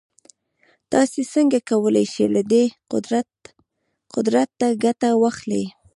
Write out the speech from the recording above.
تاسې څنګه کولای شئ له دې قدرته ګټه واخلئ.